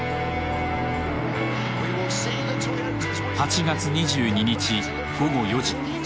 ８月２２日午後４時。